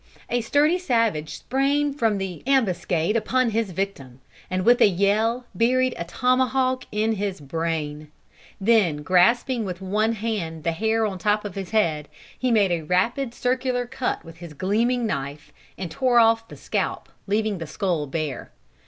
A sturdy savage sprang from the ambuscade upon his victim, and with a yell buried a tomahawk in his brain. Then, grasping with one hand the hair on the top of his head, he made a rapid circular cut with his gleaming knife, and tore off the scalp, leaving the skull bare.